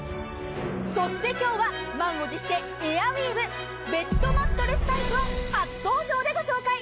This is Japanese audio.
そして今日は満を持してエアウィーヴ、ベッドマットレスタイプを初登場でご紹介。